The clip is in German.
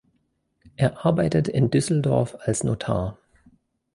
Er arbeitet in Düsseldorf als Notar.